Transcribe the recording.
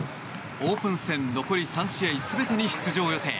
オープン戦残り３試合全てに出場予定。